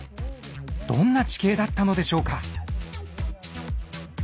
どんな地形だったのでしょうか？